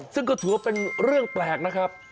ซึ่งก็ถือว่าเป็นเรื่องแปลกนะครับ